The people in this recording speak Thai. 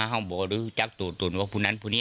ข้าวบอกจับตูดตูดว่าคุณนั้นคุณนี้